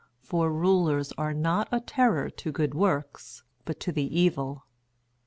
For rulers are not a terror to good works, but to the evil."